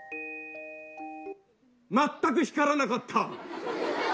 全く光らなかった。